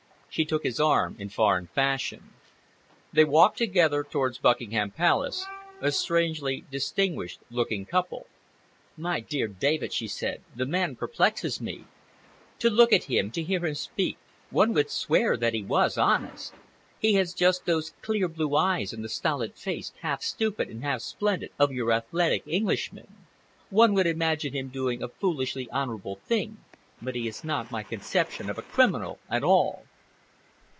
She took his arm in foreign fashion. They walked together towards Buckingham Palace—a strangely distinguished looking couple. "My dear David," she said, "the man perplexes me. To look at him, to hear him speak, one would swear that he was honest. He has just those clear blue eyes and the stolid face, half stupid and half splendid, of your athletic Englishman. One would imagine him doing a foolishly honorable thing, but he is not my conception of a criminal at all."